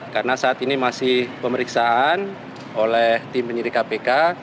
karena saat ini masih pemeriksaan oleh tim penyelidik kpk